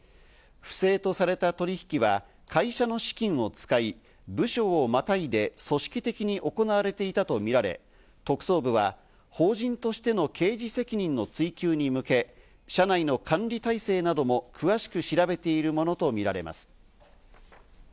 不正とされた取引は会社の資金を使い部署をまたいで組織的に行われていたとみられ、特捜部は法人としての刑事責任の追及に向け、社内の管理体制なども詳しく調べているものとみられます。